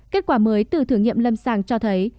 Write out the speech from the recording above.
kết quả mới từ thử nghiệm lâm sàng cho thấy